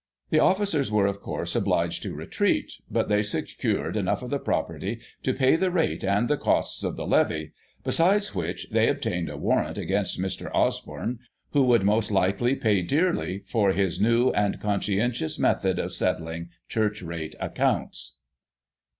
The officers were, of course, obliged to retreat, but they secured enough of the property to pay the rate, and the costs of the levy, besides which, they obtained a warrant against Mr. Osborne, who would, most likely, pay dearly for his new and conscientious method of settling Church Rate accounts."